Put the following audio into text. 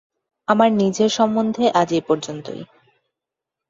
আমার নিজের সম্বন্ধে আজ এই পর্যন্ত।